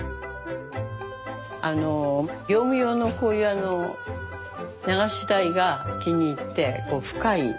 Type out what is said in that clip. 業務用のこういう流し台が気に入ってこう深い。